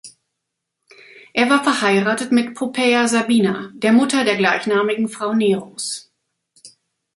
Er war verheiratet mit Poppaea Sabina, der Mutter der gleichnamigen Frau Neros.